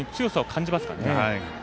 感じますね。